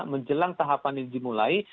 menjelang tahapan yang dimulai